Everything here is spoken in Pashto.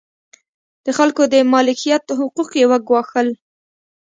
د خلکو د مالکیت حقوق یې وګواښل.